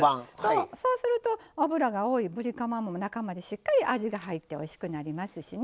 そうすると脂が多いぶりカマも中まで、しっかり味が入っておいしくなりますしね。